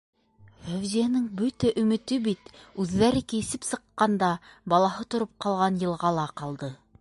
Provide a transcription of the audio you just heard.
Фәүзиәнең бөтә өмөтө бит үҙҙәре кисеп сыҡҡанда балаһы тороп ҡалған йылғала ҡалды.